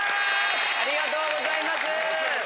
ありがとうございます。